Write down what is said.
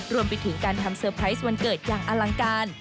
รวมไปถึงการทำเซอร์ไพรส์วันเกิดอย่างอลังการ